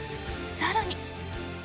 更に。